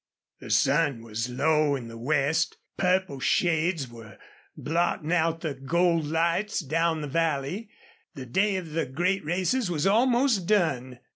The sun was low in the west; purple shades were blotting out the gold lights down the valley; the day of the great races was almost done.